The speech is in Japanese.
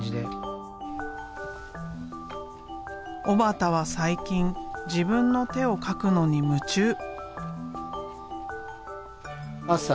小幡は最近自分の手を描くのに夢中。